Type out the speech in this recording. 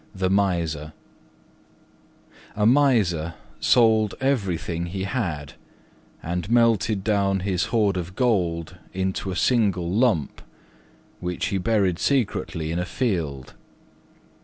THE MISER A Miser sold everything he had, and melted down his hoard of gold into a single lump, which he buried secretly in a field.